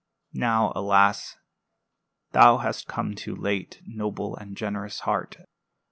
Now, alas! thou hast come too late, noble and generous heart!"